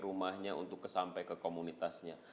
rumahnya untuk kesampai ke komunitasnya